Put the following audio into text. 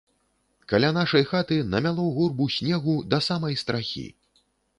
Каля нашай хаты намяло гурбу снегу да самай страхі.